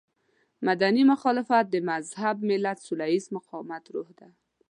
مدني مخالفت د مهذب ملت سوله ييز مقاومت روح دی.